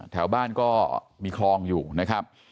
แถวบ้านก็มีคลองอยู่นะครับ